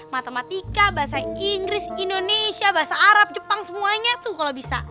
matematika bahasa inggris indonesia bahasa arab jepang semuanya tuh kalau bisa